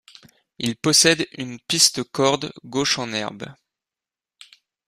Il possède une piste corde gauche en herbe.